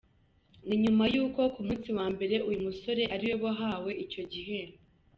Ni nyuma y’uko ku munsi wa mbere uyu musore ariwe wahawe icyo gihembo.